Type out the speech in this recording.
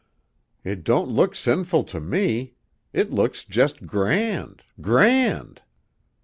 It don't look sinful to me; it looks just grand grand!"